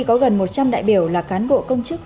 có gần một trăm linh đại biểu là cán bộ công chức